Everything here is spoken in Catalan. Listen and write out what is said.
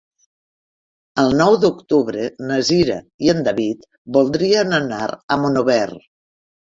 El nou d'octubre na Cira i en David voldrien anar a Monòver.